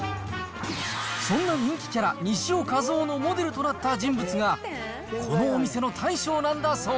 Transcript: そんな人気キャラ、西尾一男のモデルとなった人物が、このお店の大将なんだそう。